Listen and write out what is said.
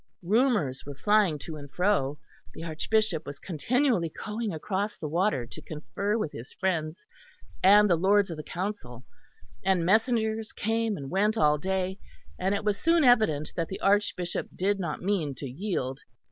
Rumours were flying to and fro; the Archbishop was continually going across the water to confer with his friends and the Lords of the Council, and messengers came and went all day; and it was soon evident that the Archbishop did not mean to yield.